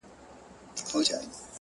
زما په مرگ دي خوشالي زاهدان هيڅ نکوي